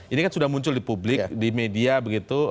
ini kan sudah muncul di publik di media begitu